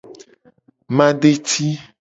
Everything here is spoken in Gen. Madeti.